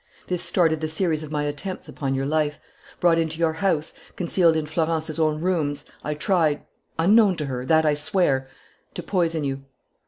This started the series of my attempts upon your life. Brought into your house, concealed in Florence's own rooms, I tried unknown to her: that I swear to poison you."